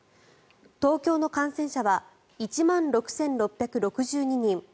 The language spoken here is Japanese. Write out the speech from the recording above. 東京の感染者は１万６６６２人。